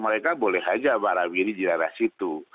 mereka boleh saja barang diri di arah situ